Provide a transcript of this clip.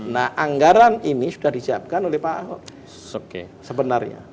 nah anggaran ini sudah disiapkan oleh pak ahok sebenarnya